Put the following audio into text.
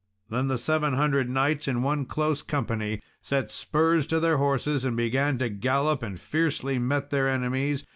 Then the seven hundred knights, in one close company, set spurs to their horses and began to gallop, and fiercely met their enemies.